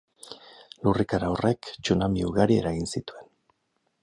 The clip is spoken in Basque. Lurrikara horrek tsunami ugari eragin zituen.